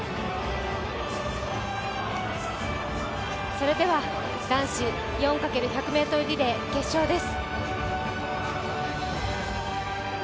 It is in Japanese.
それでは男子４ｘ１００ｍリレー決勝です。